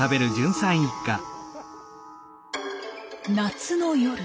夏の夜。